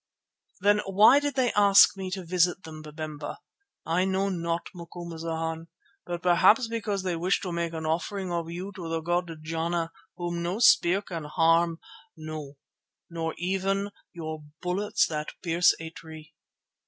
"Then why did they ask me to visit them, Babemba?" "I know not, Macumazana, but perhaps because they wished to make an offering of you to the god Jana, whom no spear can harm; no, nor even your bullets that pierce a tree."